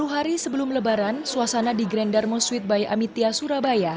sepuluh hari sebelum lebaran suasana di grand darmo sweetbai amitya surabaya